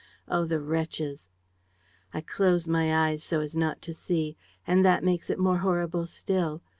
Oh, the wretches! "I close my eyes so as not to see. And that makes it more horrible still.